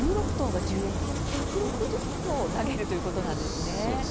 １６投が１０エンドって１６０投投げるということですね。